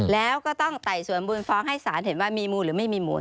แล้วก็ต้องไต่สวนมูลฟ้องให้สารเห็นว่ามีมูลหรือไม่มีมูล